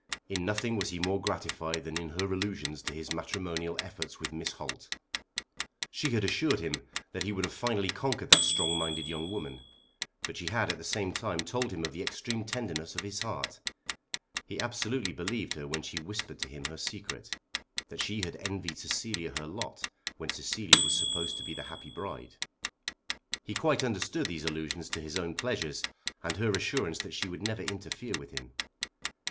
In nothing was he more gratified than in her allusions to his matrimonial efforts with Miss Holt. She had assured him that he would have finally conquered that strong minded young woman. But she had at the same time told him of the extreme tenderness of his heart. He absolutely believed her when she whispered to him her secret, that she had envied Cecilia her lot when Cecilia was supposed to be the happy bride. He quite understood those allusions to his own pleasures and her assurance that she would never interfere with him.